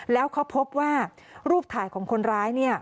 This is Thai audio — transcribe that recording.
แล้วเค้าพบว่ารูปถ่ายของคนร้ายเนี่ย